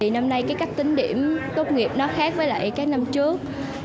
năm nay cái cách tính điểm tốt nghiệp nó khác với lại cái năm trước